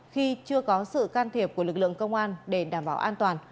khi chưa có sự can thiệp của lực lượng công an để đảm bảo an toàn